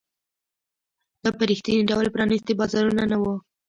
دا په رښتیني ډول پرانیستي بازارونه نه وو.